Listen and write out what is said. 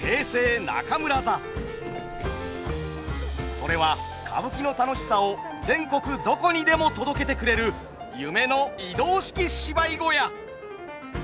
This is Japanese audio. それは歌舞伎の楽しさを全国どこにでも届けてくれる夢の移動式芝居小屋。